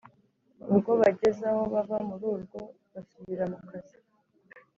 ubwo bagezaho bava mururwo basubira mukazi